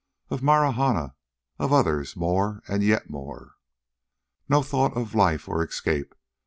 of Marahna ... of others more and yet more. No thought now of life or escape.